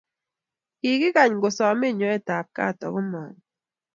Kikikany kosomech nyoetab kaat aku manyo